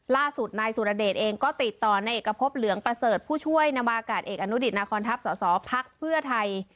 ล่าสุดนายสุรเดชเองก็ติดต่อในเอกพบเหลืองประเสริฐผู้ช่วยนวากาศเอกอนุดิตนาคอนทัพสสพักเพื่อไทย